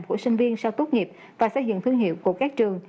của sinh viên sau tốt nghiệp và xây dựng thương hiệu của các trường